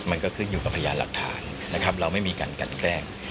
มันก็ขึ้นอยู่กับพยานหลักฐานนะครับเราไม่มีการกันแกล้ง